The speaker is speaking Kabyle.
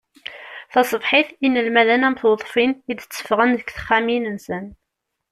Taṣebḥit, inelmaden am tweḍfin i d-ttefɣen seg texxamin-nsen.